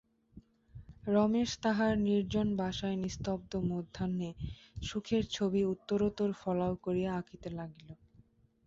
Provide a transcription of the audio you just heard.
রমেশ তাহার নির্জন বাসায় নিস্তব্ধ মধ্যাহ্নে সুখের ছবি উত্তরোত্তর ফলাও করিয়া আঁকিতে লাগিল।